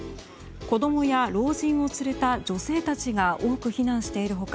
子供や老人を連れた女性たちが多く避難している他